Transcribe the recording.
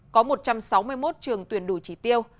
có một trăm sáu mươi một trường tuyển đủ chỉ tiêu